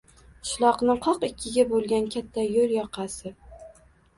Qishloqni qoq ikkiga bo‘lgan katta yo‘l yoqasi.